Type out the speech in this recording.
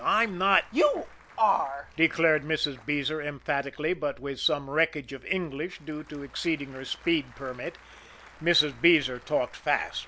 "I'm not " "You are," declared Mrs. Beezer emphatically, but with some wreckage of English due to exceeding her speed permit Mrs. Beezer talked fast.